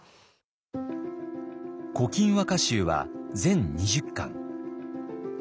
「古今和歌集」は全２０巻。